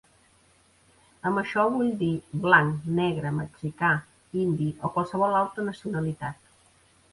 Amb això vull dir blanc, negre, mexicà, indi o qualsevol altra nacionalitat.